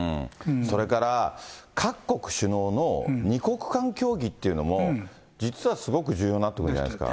それから各国首脳の２国間協議っていうのも、実はすごく重要になってくるじゃないですか。